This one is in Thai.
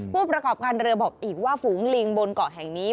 ผู้ประกอบการเรือบอกอีกว่าฝูงลิงบนเกาะแห่งนี้